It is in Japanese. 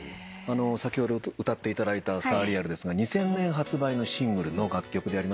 先ほど歌っていただいた『ＳＵＲＲＥＡＬ』ですが２０００年発売のシングルの楽曲でありますけども。